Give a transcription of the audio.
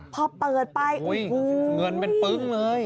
พอเปิดไปเงินเป็นปึ้งเลย